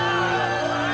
おい！